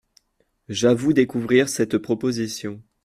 J’avoue découvrir cette proposition.